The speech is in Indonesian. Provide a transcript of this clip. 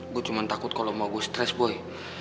gue cuma takut kalau mau gue stress boy